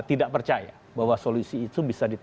tidak percaya bahwa solusi itu bisa